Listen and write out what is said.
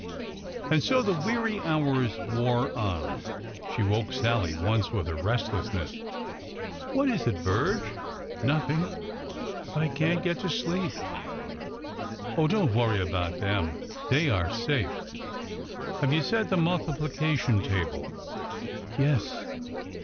And so the weary hours wore on. She woke Sallie once with her restlessness. " What is it, Virge? "" Nothing. But I can't get to sleep." " Oh, don't worry about them. They are safe. Have you said the multiplication table ?"" Yes."